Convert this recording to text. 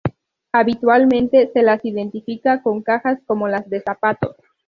Habitualmente se las identifica con cajas como las de zapatos.